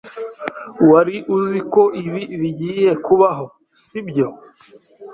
Wari uziko ibi bigiye kubaho, sibyo?